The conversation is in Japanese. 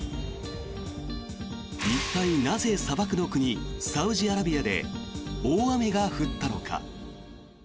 一体なぜ砂漠の国、サウジアラビアで大雨が降ったのか。